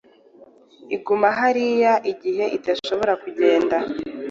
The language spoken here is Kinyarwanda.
iguma hariya igihe idashobora kugenda